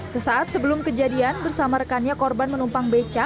sesaat sebelum kejadian bersama rekannya korban menumpang beca